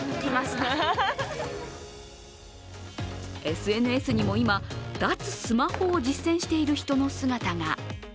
ＳＮＳにも今、脱スマホを実践している人の姿が。